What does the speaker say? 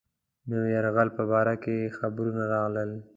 د نوي یرغل په باره کې خبرونه راغلل.